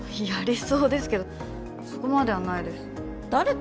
やりそうですけどそこまではないです誰？